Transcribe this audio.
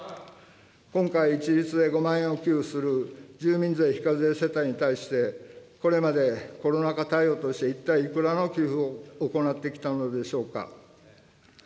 今回、一律で５万円を給付する住民税非課税世帯に対して、これまでコロナ禍対応として一体いくらの給付を行ってきたのでしょうか。